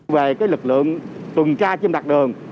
về lực lượng tuần tra trên mặt đường